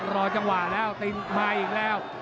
รอจังหวะแล้วตินมาอีกแล้ว